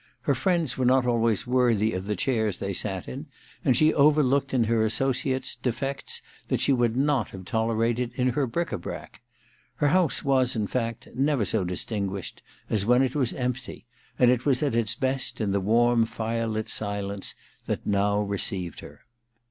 Her friends were not always worthy of the chairs they sat in, and she overlooked in her associates defects she would not have tolerated in her bric a brac. Her house was, in fact, never so dis tinguished as when it was empty ; and it was at its best in the warm fire lit ^ence that now received her.